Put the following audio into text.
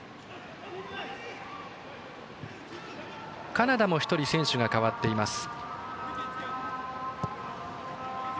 カナダも１人選手が代わっています。